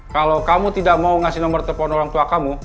kalau kamu tidak mau ngasih nomor telepon orang tua kamu